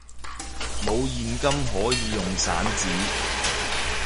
冇現金可以用散紙！